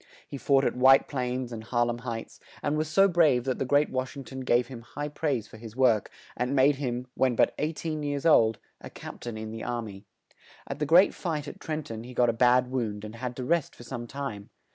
He fought at White Plains and Har lem Heights, and was so brave that the great Wash ing ton gave him high praise for his work, and made him, when but eight een years old, a cap tain in the ar my. At the great fight at Tren ton he got a bad wound and had to rest for some time.